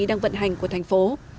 đang vận hành của thành phố